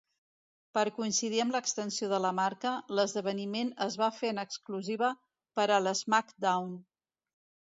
Per coincidir amb l'extensió de la marca, l'esdeveniment es va fer en exclusiva per a l'SmackDown!